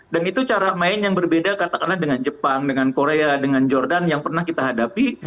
dan itu cara main yang berbeda katakanlah dengan jepang dengan korea dengan jordan yang pernah kita hadapi